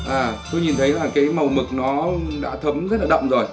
à tôi nhìn thấy là cái màu mực nó đã thấm rất là đậm rồi